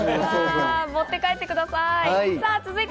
持って帰ってください。